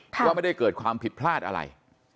ว่าไม่ได้เกิดความผิดพลาดอะไร